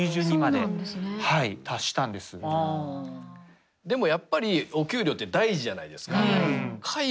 でもやっぱりお給料って大事じゃないですか。